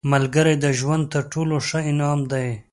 ملګری د ژوند تر ټولو ښه انعام دی